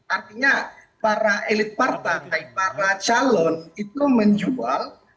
artinya para elit partai para calon itu menjual